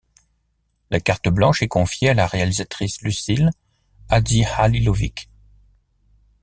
La carte blanche est confiée à la réalisatrice Lucile Hadzihalilovic.